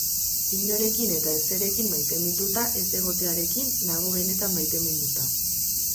Inorekin eta ezerekin maiteminduta ez egotearekin nago benetan maiteminduta.